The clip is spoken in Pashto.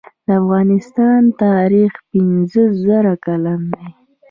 د افغانستان تاریخ پنځه زره کلن دی